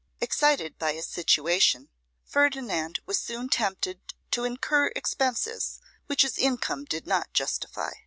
Excited by his situation, Ferdinand was soon tempted to incur expenses which his income did not justify.